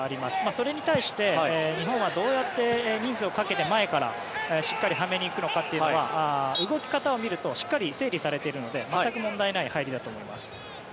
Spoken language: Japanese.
それに対して日本はどうやって人数をかけて前からしっかり速めに行くのかは動き方を見るとしっかり整理されているので全く問題ない入りだと思います。